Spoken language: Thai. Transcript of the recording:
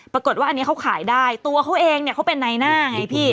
ปรากฏว่าอันนี้เขาขายได้ตัวเขาเองเนี่ยเขาเป็นในหน้าไงพี่